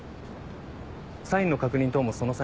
サインの確認等もその際に。